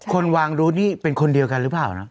คนวางรูดนี่เป็นคนเดียวกันหรือเปล่านะ